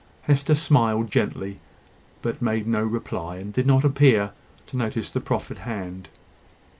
Hester smiled gently, but made no reply, and did not appear to notice the proffered hand.